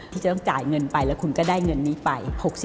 ที่จะต้องจ่ายเงินไปแล้วคุณก็ได้เงินนี้ไป